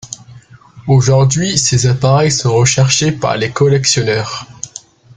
Aujourd'hui ces appareils sont recherchés par les collectionneurs.